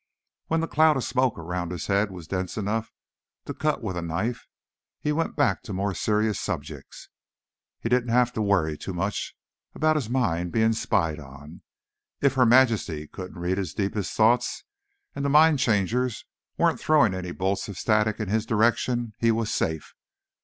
When the cloud of smoke around his head was dense enough to cut with a knife, he went back to more serious subjects. He didn't have to worry too much about his mind being spied on; if Her Majesty couldn't read his deepest thoughts, and the mind changers weren't throwing any bolts of static in his direction, he was safe.